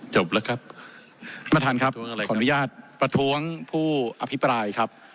จบแล้วครับท่านประธานครับขออนุญาตประท้วงผู้อภิปรายครับ